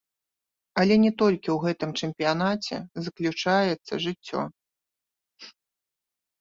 Але не толькі ў гэтым чэмпіянаце заключаецца жыццё.